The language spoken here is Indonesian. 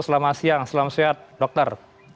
selamat siang selamat siang dokter